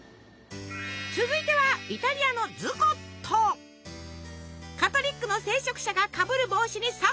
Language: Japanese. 続いてはイタリアのカトリックの聖職者がかぶる帽子にそっくり！